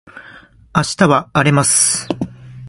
明日は荒れます